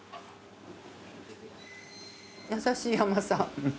優しい甘さ。